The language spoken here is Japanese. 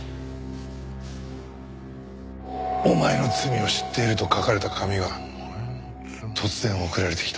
「お前の罪を知っている」と書かれた紙が突然送られてきた。